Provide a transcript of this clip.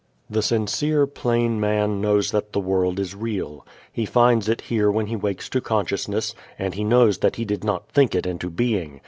The sincere plain man knows that the world is real. He finds it here when he wakes to consciousness, and he knows that he did not think it into being.